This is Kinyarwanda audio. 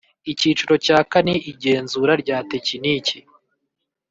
Icyiciro cya kane Igenzura rya tekiniki